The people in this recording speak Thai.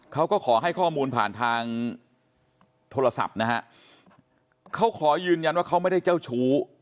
เขาก็ขอให้ข้อมูลผ่านทางโทรศัพท์นะฮะเขาขอยืนยันว่าเขาไม่ได้เจ้าชู้